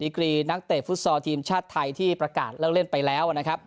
กรีนักเตะฟุตซอลทีมชาติไทยที่ประกาศเลิกเล่นไปแล้วนะครับ